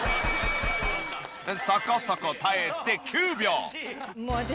そこそこ耐えて９秒。